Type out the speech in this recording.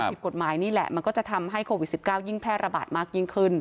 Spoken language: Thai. ผิดกฎหมายนี่แหละมันก็จะทำให้โควิด๑๙ยิ่งแพร่ระบาดมากยิ่งขึ้น